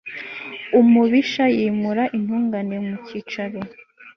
umubisha yimura intungane mu cyicaro